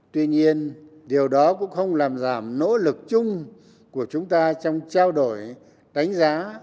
tuy nhiên điều đó cũng không làm giảm nỗ lực chung của chúng ta trong trao đổi đánh giá